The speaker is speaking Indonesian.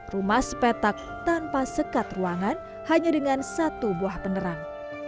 rumah sepetak tanpa sekat ruangan hanya dengan satu buah penerang